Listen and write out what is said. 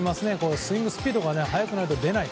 スイングスピードが速くないと出ない。